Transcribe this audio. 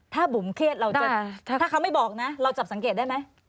ถ้าบุ๋มเครียดเราจะถ้าเขาไม่บอกนะเราจับสังเกตได้ไหม